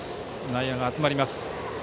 内野が集まります。